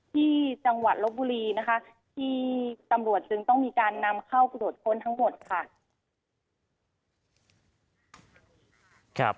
ที่จังหวัดลบบุรีนะคะที่ตำรวจจึงต้องมีการนำเข้าตรวจค้นทั้งหมดค่ะ